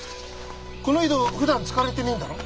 この井戸ふだん使われてねえんだろ？